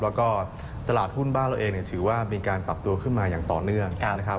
แล้วก็ตลาดหุ้นบ้านเราเองเนี่ยถือว่ามีการปรับตัวขึ้นมาอย่างต่อเนื่องนะครับ